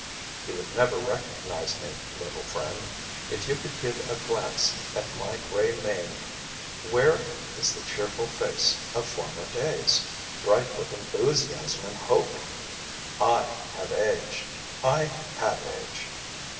You would never recognize me, little friend, if you could give a glance at my gray mane. Where is the cheerful face of former days, bright with enthusiasm and hope? I have aged, I have aged.